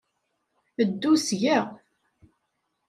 Ddu seg-a.